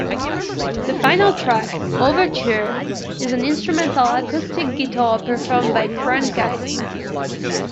The final track, "Overture", is an instrumental acoustic guitar performance by Grant Geissman.